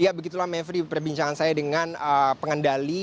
ya begitulah mevri perbincangan saya dengan pengendali